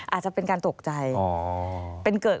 อาจจะเป็นการตกใจ